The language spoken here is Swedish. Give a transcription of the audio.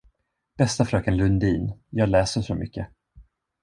Bästa fröken Lundin, jag läser så mycket.